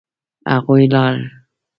هغوی لاړل.